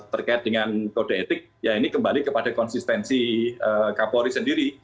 terkait dengan kode etik ya ini kembali kepada konsistensi kapolri sendiri